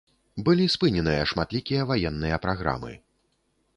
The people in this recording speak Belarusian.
Былі спыненыя шматлікія ваенныя праграмы.